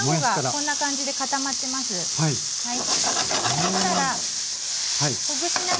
はい。